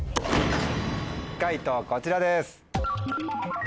解答こちらです。